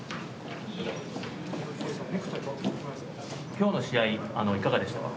今日の試合いかがでしたか？